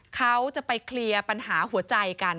เขาจะไปเคลียร์ปัญหาหัวใจกัน